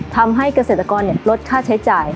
ทำให้เกษตรกรลดค่าใช้จ่าย